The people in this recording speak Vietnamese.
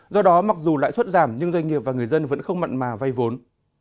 do đó mặc dù lãi suất giảm nhưng doanh nghiệp và người dân vẫn không mặn mà vay vốn